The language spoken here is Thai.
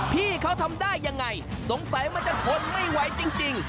พี่เขาทำได้ยังไงสงสัยมันจะทนไม่ไหวจริง